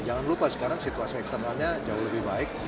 jangan lupa sekarang situasi eksternalnya jauh lebih baik